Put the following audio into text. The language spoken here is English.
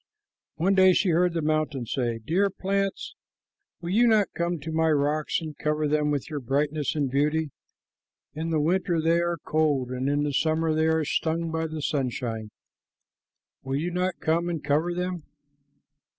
One day she heard the mountain say, "Dear plants, will you not come to my rocks and cover them with your brightness and beauty? In the winter they are cold, and in the summer they are stung by the sunshine. Will you not come and cover them?"